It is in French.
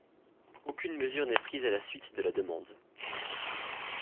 Aucune mesure n'est prise à la suite de la demande.